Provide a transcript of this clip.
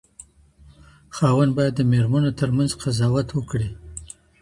خاوند بايد د ميرمنو تر منځ قضاوت وکړي؟